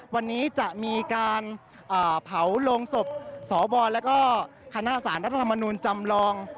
วันนี้จะมีการเผาโรงศพสวแล้วก็คณะสารรัฐธรรมนูลจำลอง